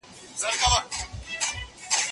شننه باید د منطق پر اصولو ولاړه وي.